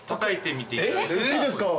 いいですか？